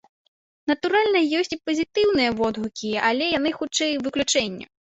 Натуральна, ёсць і пазітыўныя водгукі, але яны, хутчэй, выключэнне.